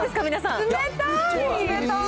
冷たい！